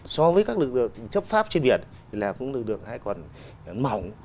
so với các lực lượng chấp pháp trên biển thì là cũng được được hay còn mỏng